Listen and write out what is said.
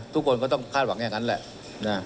ทุกคนก็ต้องคาดหวังอย่างนั้นแหละ